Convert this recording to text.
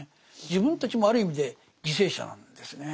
自分たちもある意味で犠牲者なんですね。